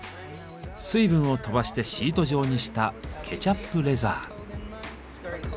水分をとばしてシート状にしたケチャップレザー。